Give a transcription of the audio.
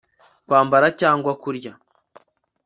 kwambara cyangwa kurya